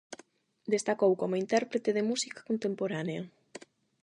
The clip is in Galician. Destacou como intérprete de música contemporánea.